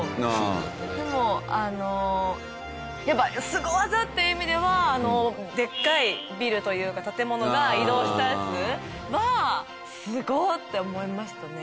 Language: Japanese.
でもあのやっぱすご技っていう意味ではでっかいビルというか建物が移動したやつはすごっ！って思いましたね。